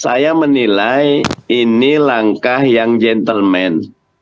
saya menilai ini langkah yang gentleman